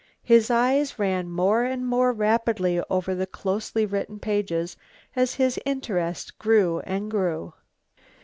His eyes ran more and more rapidly over the closely written pages, as his interest grew and grew.